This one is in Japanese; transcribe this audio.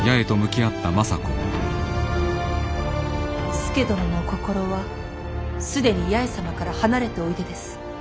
佐殿のお心は既に八重様から離れておいでです。